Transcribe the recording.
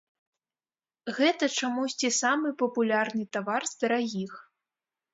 Гэта чамусьці самы папулярны тавар з дарагіх.